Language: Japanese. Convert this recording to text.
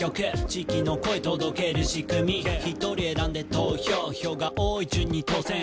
「地域の声届けるしくみ」「１人選んで投票票が多い順に当選」